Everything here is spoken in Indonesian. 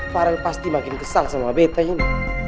parang pasti makin kesal sama betain